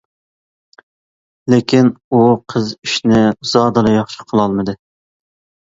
لېكىن، ئۇ قىز ئىشنى زادىلا ياخشى قىلالمىدى.